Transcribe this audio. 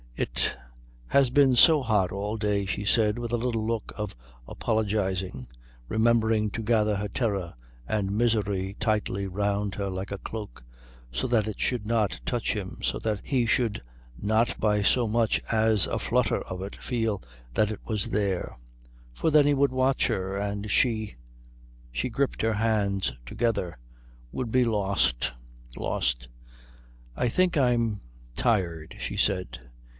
"It has been so hot all day," she said with a little look of apologising, remembering to gather her terror and misery tightly round her like a cloak, so that it should not touch him, so that he should not by so much as a flutter of it feel that it was there; for then he would watch her, and she she gripped her hands together would be lost, lost.... "I think I'm tired," she said.